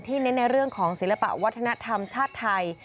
เน้นในเรื่องของศิลปะวัฒนธรรมชาติไทย